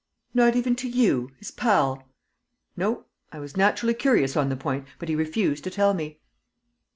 "Not even to you his pal?" "No. I was naturally curious on the point. But he refused to tell me."